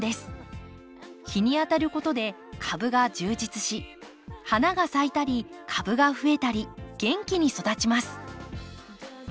日に当たることで株が充実し花が咲いたり株が増えたり元気に育ちます。